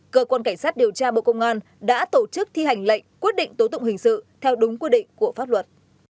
cơ quan cảnh sát điều tra bộ công an đã tổ chức thi hành lệnh quyết định tố tụng hình sự theo đúng quy định của pháp luật